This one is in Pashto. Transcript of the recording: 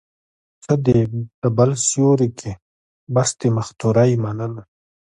څه دي د بل سيوري کې، بس د مختورۍ منل